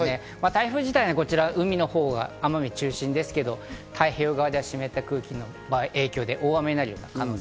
台風自体は奄美中心ですけど、太平洋側では湿った空気の影響で大雨になる可